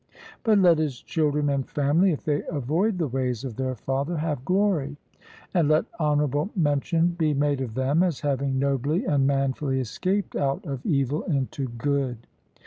But let his children and family, if they avoid the ways of their father, have glory, and let honourable mention be made of them, as having nobly and manfully escaped out of evil into good.